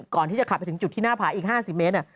ก่อนที่จะขับไปถึงจุดที่หน้าผาอีก๕๐เมตร